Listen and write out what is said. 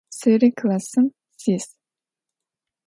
Seri klassım sis.